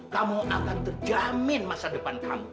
kamu akan terjamin masa depan kamu